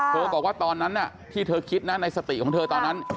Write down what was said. บอกว่าตอนนั้นที่เธอคิดนะในสติของเธอตอนนั้น